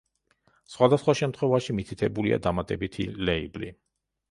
სხვადასხვა შემთხვევაში მითითებულია დამატებითი ლეიბლი.